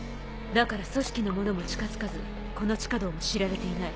だから組織の者も近づかずこの地下道も知られていない。